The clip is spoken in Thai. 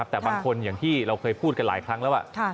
แต่บางคนอย่างที่เราเคยพูดกันหลายครั้งแล้ว